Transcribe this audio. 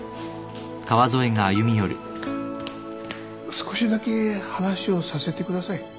少しだけ話をさせてください。